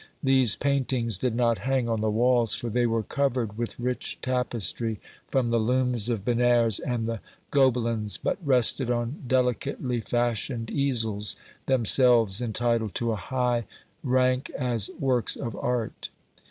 These paintings did not hang on the walls, for they were covered with rich tapestry from the looms of Benares and the Gobelins, but rested on delicately fashioned easels, themselves entitled to a high, rank as works of art.